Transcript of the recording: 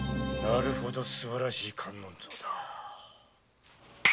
なるほどすばらしい観音像だ。